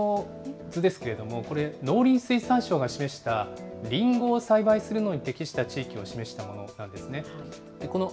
この図ですけれども、これ、農林水産省が示したリンゴを栽培するのに適した地域を示したものなんですね。